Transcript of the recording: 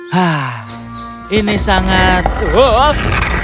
haaah ini sangat